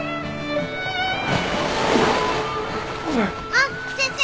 あっ先生。